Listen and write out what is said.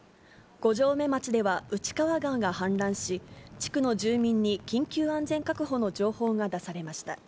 五城目町では内川川が氾濫し、地区の住民に緊急安全確保の情報が出されました。